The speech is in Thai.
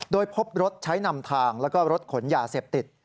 โดยพบรถใช้นำทางแล้วก็รถขนยาเสพติด